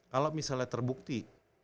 kalau misalnya terbukti